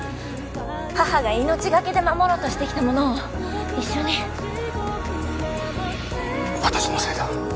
母が命がけで守ろうとしてきたものを一緒に私のせいだ